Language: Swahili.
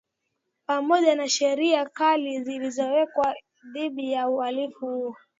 Pamoja na Sheria Kali zilizowekwa dhidi ya uhalifu huo